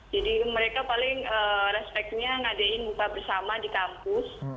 jadi mereka paling respeknya ngadein bupa bersama di kampus